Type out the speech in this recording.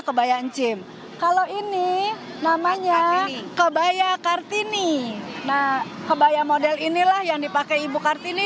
kebaya encim kalau ini namanya kebaya kartini nah kebaya model inilah yang dipakai ibu kartini